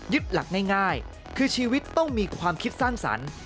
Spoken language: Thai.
หลักง่ายคือชีวิตต้องมีความคิดสร้างสรรค์